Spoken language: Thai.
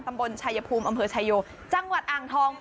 ตำบลชายภูมิอำเภอชายโยจังหวัดอ่างทอง